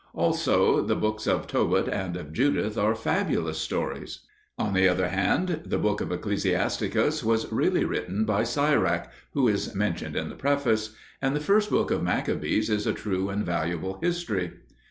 Also, the books of Tobit and of Judith are fabulous stories. On the other hand, the book Ecclesiasticus was really written by Sirach (who is mentioned in the Preface), and The First Book of Maccabees is a true and valuable history.